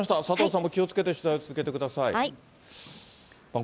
佐藤さんも気をつけて取材を続けてください。